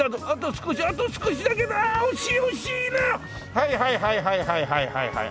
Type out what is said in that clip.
はいはいはいはいはいはいはいはい。